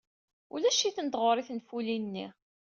Ulac-itent ɣer-i tenfulin-nni.